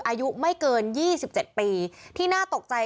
อายุไม่เกิน๒๗ปีที่น่าตกใจ